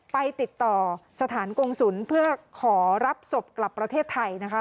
ไปติดต่อสถานกงศุลเพื่อขอรับศพกลับประเทศไทยนะคะ